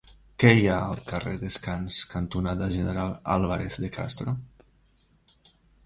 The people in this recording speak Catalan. Què hi ha al carrer Descans cantonada General Álvarez de Castro?